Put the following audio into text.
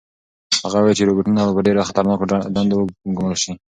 هغه وویل چې روبوټونه به په ډېرو خطرناکو دندو کې وګمارل شي.